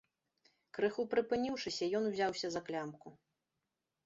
Крыху прыпыніўшыся, ён узяўся за клямку.